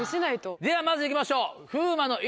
ではまずいきましょう。